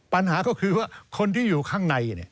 ปัญหาก็คือว่าคนที่อยู่ข้างใน